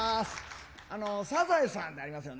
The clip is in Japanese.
あの、サザエさんってありますよね。